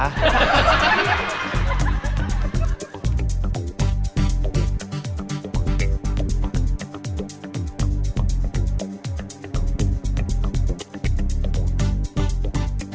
รู้สึกว่ฮะ